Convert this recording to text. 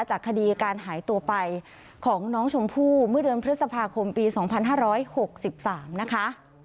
จากคดีการหายตัวไปของน้องชมพู่เมื่อเดือนพฤษภาคมปี๒๕๖๓นะคะ